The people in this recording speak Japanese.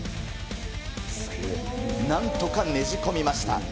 なんとかねじ込みました。